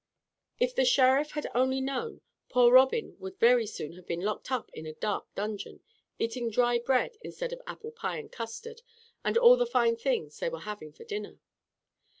If the Sheriff had only known, poor Robin would very soon have been locked up in a dark dungeon, eating dry bread instead of apple pie and custard and all the fine things they were having for dinner.